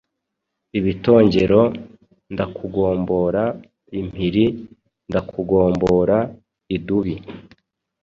Ibitongero Ndakugombora impiri ,ndakugombora idubi,